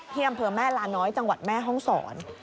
เที่ยมเพิ่มแม่ลาน้อยจังหวัดแม่ห้องสอน